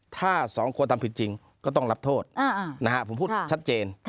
ถ้าสองคนทำผิดจริงก็ต้องรับโทษผมพูดชัดเจน